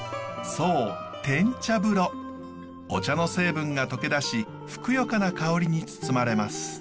そうお茶の成分が溶け出しふくよかな香りに包まれます。